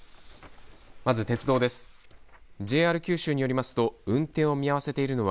まず鉄道です。